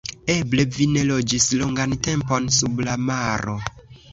Eble vi ne loĝis longan tempon sub la maro.